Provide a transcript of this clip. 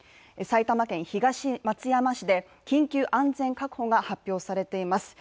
埼玉県東松山市で緊急安全確保が発表されています。